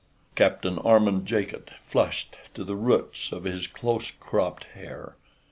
Captain Armand Jacot flushed to the roots of his close cropped hair.